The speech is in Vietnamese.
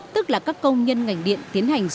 tức là các công nhân ngành điện tiến hành sửa chữa